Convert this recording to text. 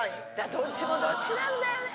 どっちもどっちなんだよね。